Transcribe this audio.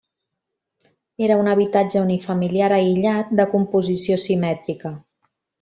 Era un habitatge unifamiliar aïllat de composició simètrica.